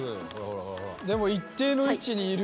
でも一定の位置にいるよ。